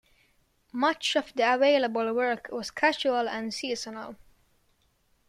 Much of the available work was casual and seasonal.